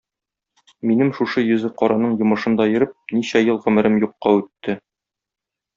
Минем шушы йөзе караның йомышында йөреп, ничә ел гомерем юкка үтте.